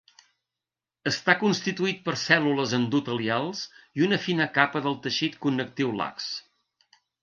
Està constituït per cèl·lules endotelials i una fina capa del teixit connectiu lax.